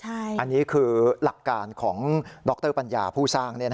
อันนี้คือหลักการของดรปัญญาผู้สร้าง